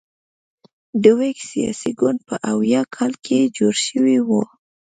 د ویګ سیاسي ګوند په اویا کال کې جوړ شوی و.